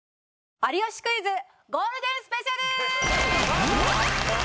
『有吉クイズ』ゴールデンスペシャル！